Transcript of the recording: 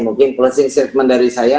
mungkin closing statement dari saya